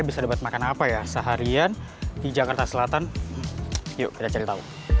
bisa dapat makan apa ya seharian di jakarta selatan yuk kita cari tahu